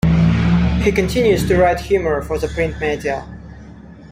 He continues to write humour for the print media.